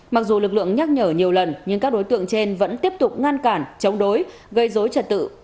mặc dù lực lượng nhắc nhở nhiều lần nhưng các đối tượng trên vẫn tiếp tục ngăn cản chống đối gây dối trật tự